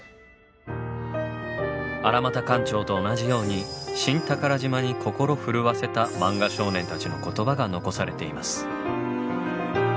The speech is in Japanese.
荒俣館長と同じように「新寳島」に心震わせたマンガ少年たちの言葉が残されています。